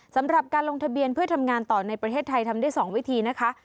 สำหรับการลงทะเบียนเพื่อทำงานต่อในประเทศไทยทำได้๒วิธีนะคะ